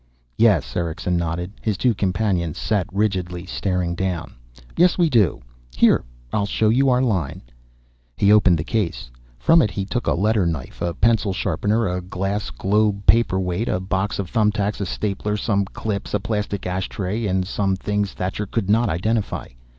"Yes." Erickson nodded. His two companions sat rigidly, staring down. "Yes, we do. Here, I'll show you our line." He opened the case. From it he took a letter knife, a pencil sharpener, a glass globe paperweight, a box of thumb tacks, a stapler, some clips, a plastic ashtray, and some things Thacher could not identify.